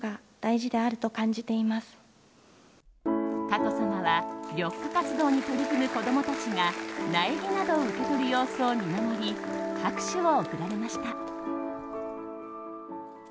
佳子さまは緑化活動に取り組む子供たちが苗木などを受け取る様子を見守り拍手を送られました。